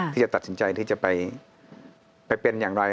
ที่จะตัดสินใจที่จะไปเป็นอย่างไร